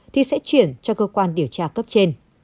thì sẽ chuyển cho cơ quan điều tra cấp trên